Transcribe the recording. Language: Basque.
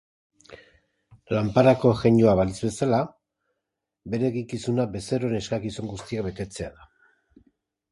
Lanparako jeinua balitz bezala, bere eginkizuna bezeroen eskakizun guztiak betetzea da.